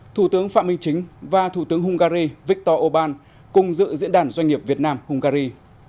thủ tướng phạm minh chính và thủ tướng hungary viktor orbán cùng dự diễn đàn doanh nghiệp việt nam hungary